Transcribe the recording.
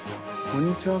こんにちは！